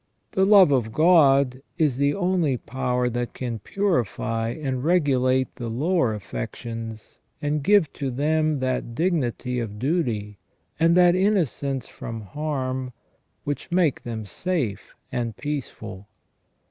The love of God is the only power that can purify and regulate the lower affections and give to them that dignity of duty, and that innocence from harm, which make them safe and peaceful.